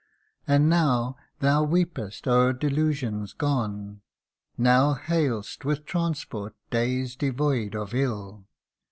And now thou weepest o'er delusions gone, Now hail'st with transport days devoid of ill.